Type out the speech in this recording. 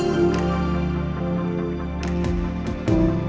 yang seperti itu